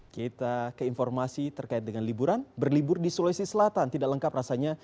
kita ke informasi terkait dengan liburan berlibur di sulawesi selatan tidak lengkap rasanya